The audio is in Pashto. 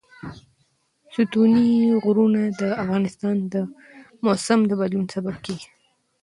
ستوني غرونه د افغانستان د موسم د بدلون سبب کېږي.